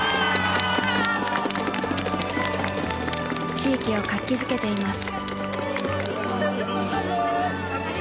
地域を活気づけています。